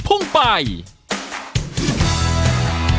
ฮั่นลูกทีมพลากุ้งไป